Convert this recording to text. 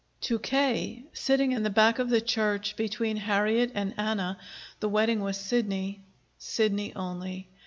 To K., sitting in the back of the church between Harriet and Anna, the wedding was Sidney Sidney only.